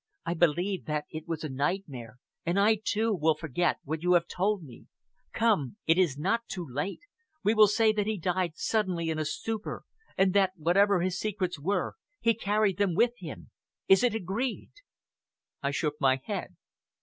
I Believe that it was a nightmare, and I, too, will forget what you have told me. Come, it is not too late. We will say that he died suddenly in a stupor, and that, whatever his secrets were, he carried them with him. Is it agreed?" I shook my head.